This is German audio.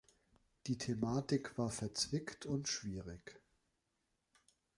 Die Thematik war verzwickt und schwierig.